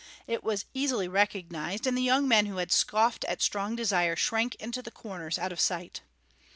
It was easily recognized, and the young men who had scoffed at Strong Desire shrank into the corners out of sight.